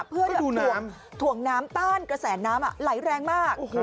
เพื่อดูน้ำถ่วงน้ำต้านกระแสนน้ำอ่ะไหลแรงมาก